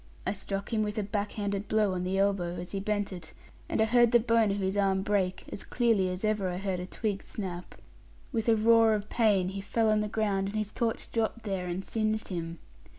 I struck him with a back handed blow on the elbow, as he bent it; and I heard the bone of his arm break, as clearly as ever I heard a twig snap. With a roar of pain he fell on the ground, and his torch dropped there, and singed him.